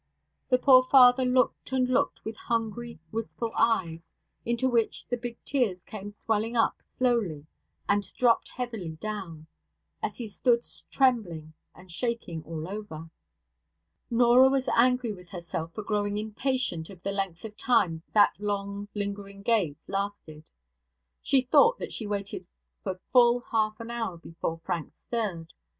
The poor father looked and looked with hungry, wistful eyes, into which the big tears came swelling up slowly and dropped heavily down, as he stood trembling and shaking all over. Norah was angry with herself for growing impatient of the length of time that long lingering gaze lasted. She thought that she waited for full half an hour before Frank stirred.